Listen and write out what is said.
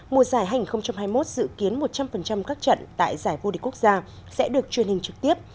mùa giải hành hai mươi một dự kiến một trăm linh các trận tại giải vô địch quốc gia sẽ được truyền hình trực tiếp